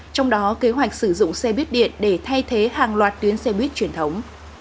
trong đó kế hoạch sử dụng xe buýt điện để thay thế hàng loạt tuyến xe buýt truyền thống